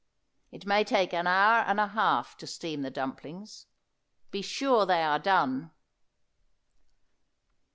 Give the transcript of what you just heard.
It may take an hour and a half to steam the dumplings; be sure they are done.